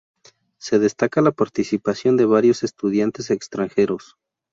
Se destaca la participación de varios estudiantes extranjeros.